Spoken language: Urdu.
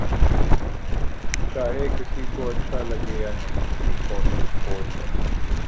چاہے کسی کو اچھا لگے یا نہیں، یہ قومی فوج ہے۔